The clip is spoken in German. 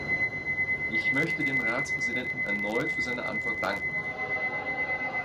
Ich möchte dem Ratspräsidenten erneut für seine Antwort danken.